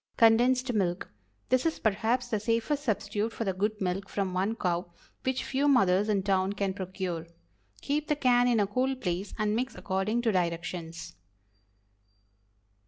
CONDENSED MILK. This is perhaps the safest substitute for the "good milk from one cow," which few mothers in town can procure. Keep the can in a cool place and mix according to directions.